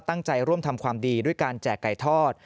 ตั้งใจร่วมทำความดีด้วยการแจกไก่ทอด